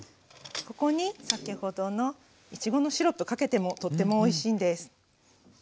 ここに先ほどのいちごのシロップかけてもとってもおいしいんです。